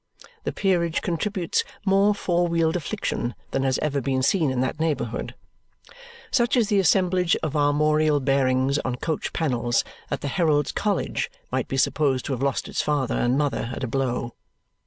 The peerage contributes more four wheeled affliction than has ever been seen in that neighbourhood. Such is the assemblage of armorial bearings on coach panels that the Herald's College might be supposed to have lost its father and mother at a blow.